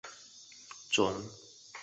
藏南柳为杨柳科柳属下的一个种。